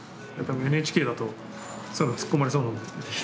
ＮＨＫだとそういうの突っ込まれそうなんで。